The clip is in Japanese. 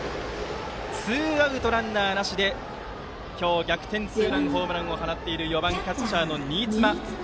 ツーアウトランナーなしで今日、逆転ツーランホームランを放っている４番、キャッチャーの新妻。